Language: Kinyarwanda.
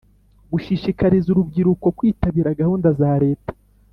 gushishikariza urubyiruko kwitabira gahunda za Leta.